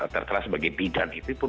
terkenal sebagai bidan itu pun